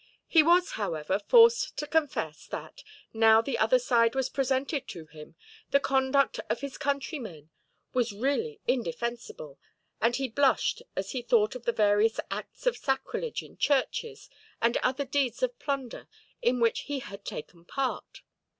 He was, however, forced to confess that, now the other side was presented to him, the conduct of his countrymen was really indefensible; and he blushed as he thought of the various acts of sacrilege in churches, and other deeds of plunder, in which he had taken part.